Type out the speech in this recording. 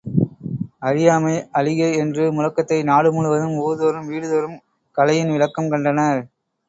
அறியாமை அழிக என்ற முழக்கத்தை நாடு முழுவதும், ஊர்தோறும், வீடுதோறும் கலையின் விளக்கம் கண்டனர்.